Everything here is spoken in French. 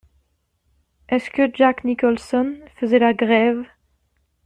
Est-ce que Jack Nicholson faisait la grève?